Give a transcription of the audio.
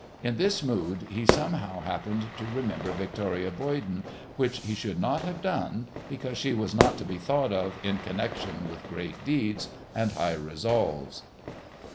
In this mood he somehow happened to remember Victoria Boyden, which he should not have done because she was not to be thought of in connection with great deeds and high resolves.